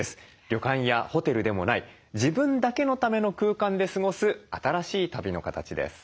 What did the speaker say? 旅館やホテルでもない自分だけのための空間で過ごす新しい旅の形です。